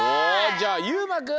じゃあゆうまくん！